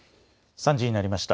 ３時になりました。